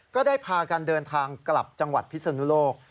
ก็ได้พากันเดินทางกลับจังหวัดพิศนุโลก